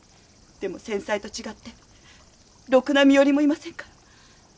でも先妻と違ってロクな身寄りもいませんから。